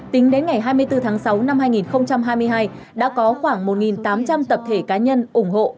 tính đến ngày hai mươi bốn tháng sáu năm hai nghìn hai mươi hai đã có khoảng một tám trăm linh tập thể cá nhân ủng hộ